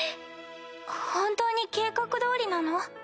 本当に計画通りなの？